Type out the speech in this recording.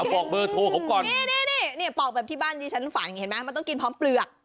บอกเบอร์โทรเขาก่อนนี่นี่ปอกแบบที่บ้านดิฉันฝันเห็นไหมมันต้องกินพร้อมเปลือก